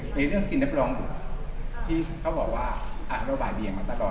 หรือเรื่องสิ้นนับรองบุตรที่เขาบอกว่าอ่าเราบ่ายเบียงมาตลอด